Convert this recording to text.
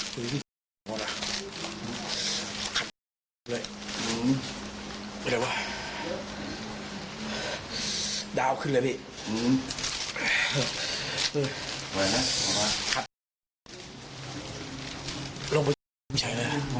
หืือมีอะไรวะดาวน์ขึ้นเลยพี่